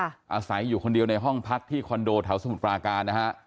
อาศัยอยู่คนเดียวในห้องพักที่คอนโดแถวสมุทรปราการนะฮะ